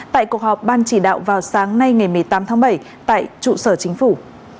tại cuộc họp ban chỉ đạo vào sáng nay ngày một mươi tám tháng bảy tại trụ sở chính phủ